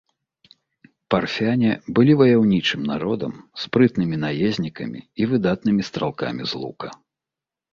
Парфяне былі ваяўнічым народам, спрытнымі наезнікамі і выдатнымі стралкамі з лука.